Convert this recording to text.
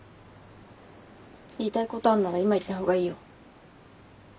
言いたいことあるんなら今言った方がいいよ。